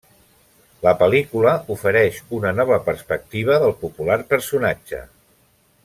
La pel·lícula ofereix una nova perspectiva del popular personatge.